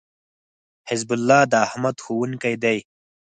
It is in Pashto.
حزب الله داحمد ښوونکی دی